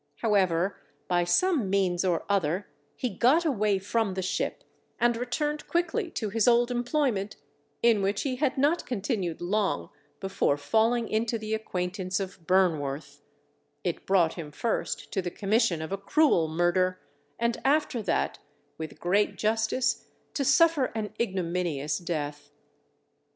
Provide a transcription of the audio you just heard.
However, by some means or other, he got away from the ship, and returned quickly to his old employment; in which he had not continued long, before falling into the acquaintance of Burnworth, it brought him first to the commission of a cruel murder, and after that with great justice to suffer an ignominious death.